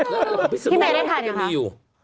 แล้วลูกเราตลาดพี่แม่อยู่ใกล้ไหนอยู่